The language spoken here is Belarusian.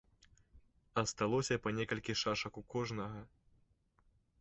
Асталося па некалькі шашак у кожнага.